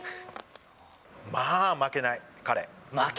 まあ負けない、彼。